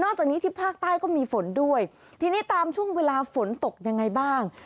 จากนี้ที่ภาคใต้ก็มีฝนด้วยทีนี้ตามช่วงเวลาฝนตกยังไงบ้าง